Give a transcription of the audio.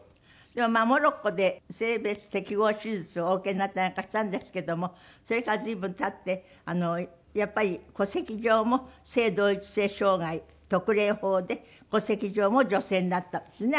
でもまあモロッコで性別適合手術をお受けになったりなんかしたんですけどもそれから随分経ってやっぱり戸籍上も性同一性障害特例法で戸籍上も女性になったんですね